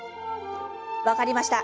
分かりました。